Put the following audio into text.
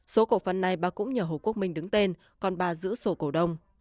số cổ phần này bà cũng nhờ hồ quốc minh đứng tên còn bà giữ sổ cổ đồng